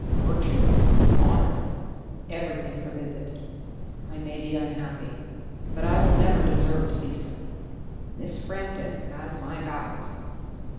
Virtue, honour, every thing forbids it. I may be unhappy, but I will never deserve to be so. Miss Frampton has my vows.